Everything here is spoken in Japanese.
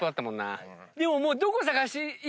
でももう。